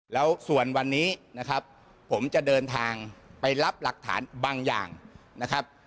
แล้วส่วนวันนี้นะครับผมจะเดินทางไปรับหลักฐานบางอย่างนะครับ